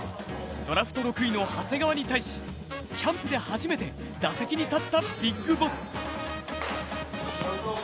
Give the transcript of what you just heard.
ドラフト６位の長谷川に対しキャンプで初めて打席に立ったビッグボス。